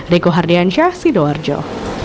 reko hardiansyah sidoarjo